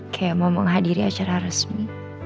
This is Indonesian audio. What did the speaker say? kayak mau menghadiri acara resmi